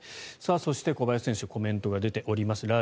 そして、小林選手コメントが出ております。